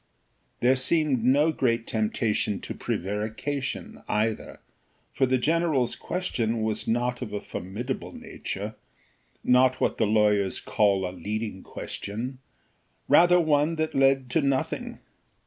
There seemed no great temptation to prevarication either, for the general's question was not of a formidable nature, not what the lawyers call a leading question, rather one that led to nothing.